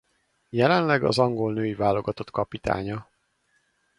Jelenleg az angol női válogatott kapitánya.